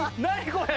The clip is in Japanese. これ。